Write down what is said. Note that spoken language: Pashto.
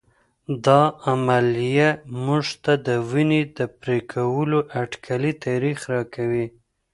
دا عملیه موږ ته د ونې د پرې کولو اټکلي تاریخ راکوي.